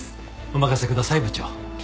お任せください部長。